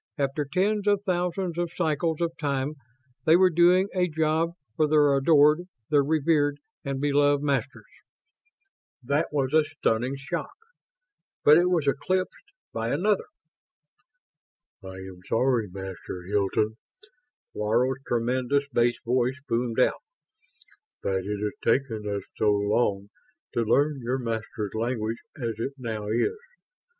After tens of thousands of cycles of time they were doing a job for their adored, their revered and beloved MASTERS. That was a stunning shock; but it was eclipsed by another. "I am sorry, Master Hilton," Laro's tremendous bass voice boomed out, "that it has taken us so long to learn your Masters' language as it now is.